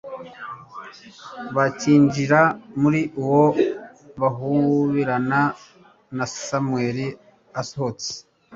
bacyinjira muri wo bahubirana na samweli asohotse